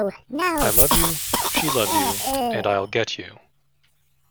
I Love You", "She Loves You", and "I'll Get You".